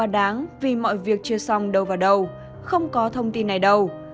đâu không có thông tin này đâu